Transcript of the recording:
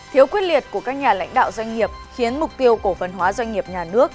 thiếu quyết liệt của các nhà lãnh đạo doanh nghiệp khiến mục tiêu cổ phân hóa doanh nghiệp nhà nước